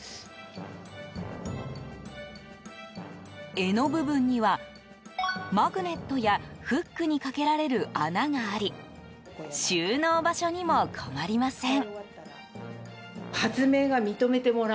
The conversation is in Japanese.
柄の部分には、マグネットやフックにかけられる穴があり収納場所にも困りません。